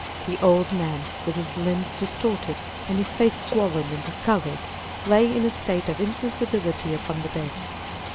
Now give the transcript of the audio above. The old man, with his limbs distorted, and his face swollen and discolored, lay in a state of insensibility upon the bed.